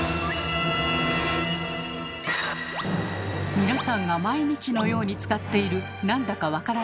皆さんが毎日のように使っている何だか分からない